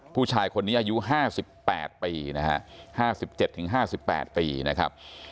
ผู้ชายคนนี้อายุ๕๘ปีนะฮะ๕๗๕๘ปีนะครับ